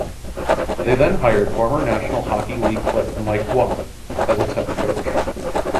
They then hired former National Hockey League player Mike Watt as its head coach.